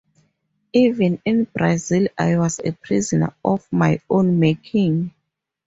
Even in Brazil I was a prisoner of my own making.